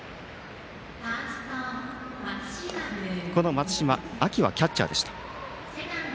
松嶋は秋はキャッチャーでした。